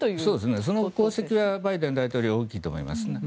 その功績はバイデン大統領大きいと思います。